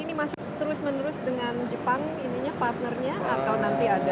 ini masih terus menerus dengan jepang ini partnernya atau nanti ada